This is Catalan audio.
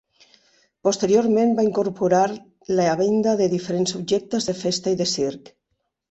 Posteriorment va incorporar la venda de diferents objectes de festa i de circ.